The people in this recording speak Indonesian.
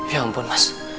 ya ampun mas